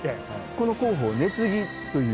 この工法を根継ぎという。